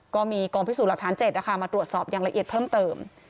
ก็มีกองพิสูจน์หลักฐาน๗นะคะมาตรวจสอบอย่างละเอียดเพิ่มเติม